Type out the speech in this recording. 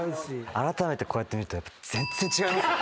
あらためてこうやって見ると全然違いますね。